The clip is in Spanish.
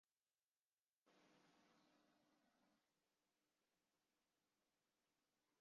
Hoy en día la mezquita se encuentra en ruinas.